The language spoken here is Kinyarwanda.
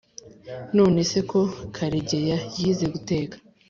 None se ko Karegeya yize guteka